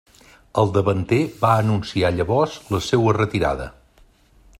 El davanter va anunciar llavors la seua retirada.